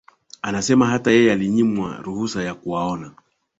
amesema hata yeye alinyimwa ruhusa ya kuwaona